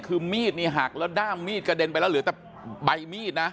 คือมีดนี่หักแล้วด้ามมีดกระเด็นไปแล้วเหลือแต่ใบมีดนะ